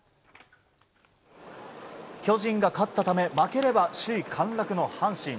巨人が勝ったため負ければ首位陥落の阪神。